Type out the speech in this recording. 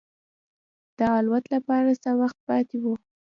د الوت لپاره څه وخت پاتې و.